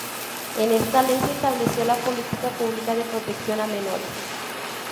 En esta ley se estableció la política pública de protección a menores.